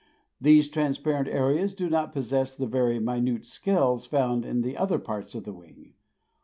These transparent areas do not possess the very minute scales found on the other parts of the wing.